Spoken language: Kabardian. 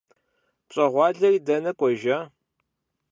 ПщӀэгъуалэри дэнэ кӀуэжа?